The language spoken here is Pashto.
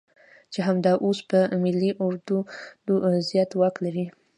چې همدا اوس په ملي اردو زيات واک لري.